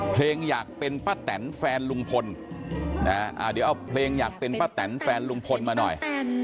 เพลงอยากเป็นป้าแตนแฟนลุงพลเดี๋ยวเอาเพลงอยากเป็นป้าแตนแฟนลุงพลมาหน่อย